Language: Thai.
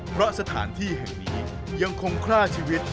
เพราะสถานที่แห่งนี้ยังคงฆ่าชีวิต